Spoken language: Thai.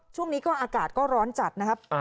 ช่วงนี้ก็อากาศก็ร้อนจัดนะครับ